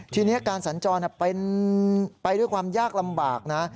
ทีนี้การสัญจรเป็นไปด้วยความยากลำบากนะ